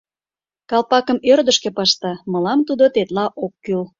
Калпакым ӧрдыжкӧ пыште, мылам тудо тетла ок кӱл.